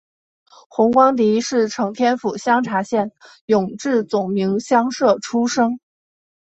洪光迪是承天府香茶县永治总明乡社出生。